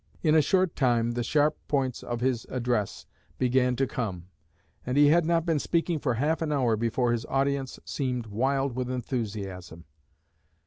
In a short time the sharp points of his address began to come, and he had not been speaking for half an hour before his audience seemed wild with enthusiasm."